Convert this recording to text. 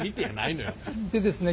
でですね